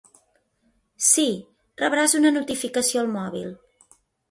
Sí, rebràs una notificació al mòbil.